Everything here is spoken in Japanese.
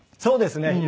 そうですね。